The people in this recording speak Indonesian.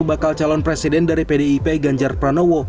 bakal calon presiden dari pdip ganjar pranowo